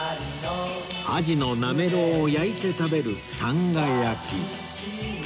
アジのなめろうを焼いて食べるさんが焼